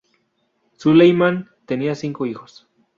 Suleiman tenía cinco hijos.